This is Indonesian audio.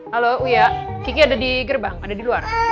halo ya kiki ada di gerbang ada di luar